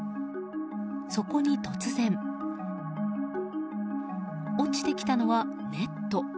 そこに突然。落ちてきたのは、ネット。